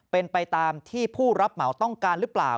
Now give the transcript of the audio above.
เป็นไปตามที่ผู้รับเหมาต้องการหรือเปล่า